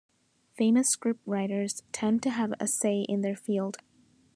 Famous scriptwriters tend to have a say in their field.